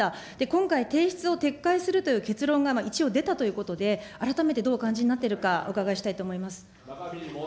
今回、提出を撤回するという結論が一応出たということで、改めてどうお感じになっているか、お伺いしたいと思います。